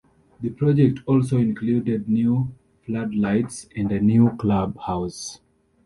The project also included new floodlights and a new club house.